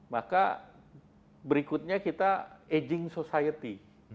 maka berikutnya kita aging society